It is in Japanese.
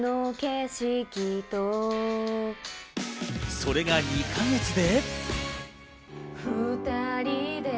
それが２か月で。